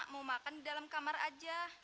mau makan di dalam kamar aja